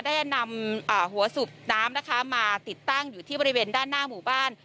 ได้นำหัวสูบน้ำนะคะมาติดตั้งอยู่ที่บริเวณด้านหน้าหมู่บ้าน